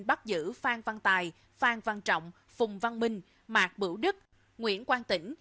bắt giữ phan văn tài phan văn trọng phùng văn minh mạc bữu đức nguyễn quang tĩnh